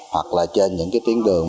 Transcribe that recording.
hoặc là trên những tiếng đường